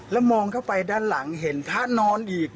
แล้วมองเข้าไปด้านหลังเห็นพระนอนอีก